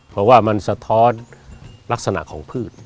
เพราะว่ามันสะท้อนลักษณะของพืช